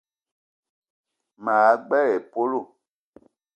Ma gbele épölo